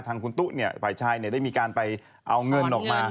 ทางคุณตุ๊กเนี่ยฝ่ายชายเนี่ยได้มีการไปเอาเงินออกมา